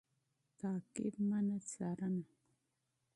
تعقیب √څارنه